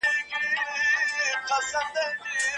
رواني شکنجه هم د فزیکي شکنجې په څیر بده ده.